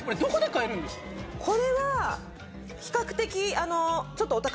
これは比較的。